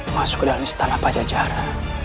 masuk ke dalam istana pajajaran